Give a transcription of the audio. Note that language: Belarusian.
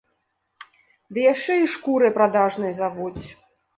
Ды яшчэ і шкурай прадажнай завуць.